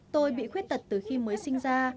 tôi bị khuyết tật từ khi mới sinh ra